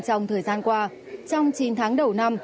trong thời gian qua trong chín tháng đầu năm